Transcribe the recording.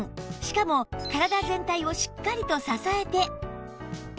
しかも体全体をしっかりと支えて